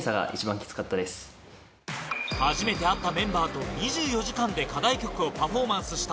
初めて会ったメンバーと２４時間で課題曲をパフォーマンスした